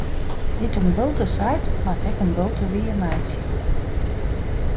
Dy't in bulte seit, moat ek in bulte wiermeitsje.